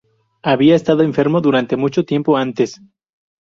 Había estado enfermo durante mucho tiempo antes.